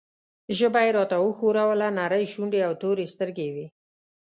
ژبه یې راته وښوروله، نرۍ شونډې او تورې سترګې یې وې.